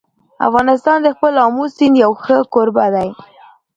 افغانستان د خپل آمو سیند یو ښه کوربه دی.